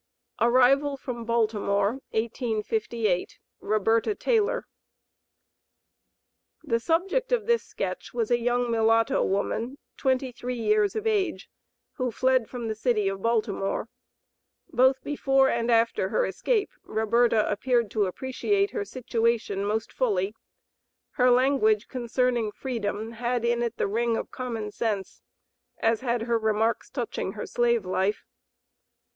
ARRIVAL FROM BALTIMORE, 1858. ROBERTA TAYLOR. The subject of this sketch was a young mulatto woman, twenty three years of age, who fled from the City of Baltimore. Both before and after her escape Roberta appeared to appreciate her situation most fully. Her language concerning freedom had in it the ring of common sense, as had her remarks touching her slave life.